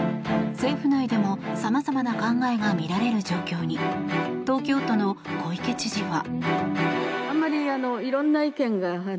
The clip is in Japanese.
政府内でもさまざまな考えが見られる状況に東京都の小池知事は。